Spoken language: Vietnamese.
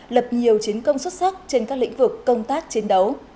lập nhiều chiến công xuất sắc trên các lĩnh vực công tác chiến đấu